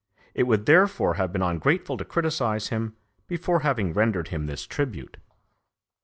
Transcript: It would therefore have been ungrateful to criticise him before having rendered him this tribute.